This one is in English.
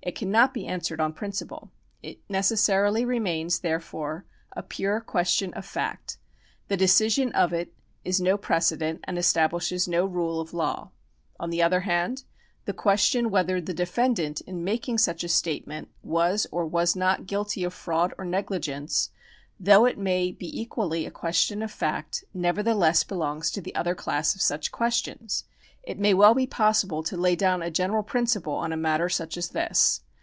It cannot be answered on principle. It neces sarily remains, therefore, a piu e question of fact ; the decision of it is no precedent, and establishes no rule of law. On the other hand, the question whether the defendant in making such a statement was or was not guilty of fraud or negligence, though it may be equally a question of fact, nevertheless be longs to the other class of such questions. It may well be possible to lay down a general principle on a matter such as this.